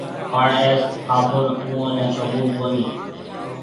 پڻ اَي هابُڻ اُوئون نَي قبُول ڪونهي۔